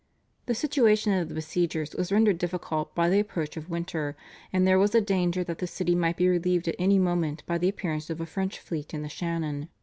The situation of the besiegers was rendered difficult by the approach of winter, and there was a danger that the city might be relieved at any moment by the appearance of a French fleet in the Shannon.